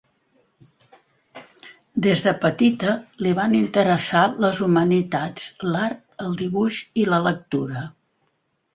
Des de petita li van interessar les humanitats, l'art, el dibuix i la lectura.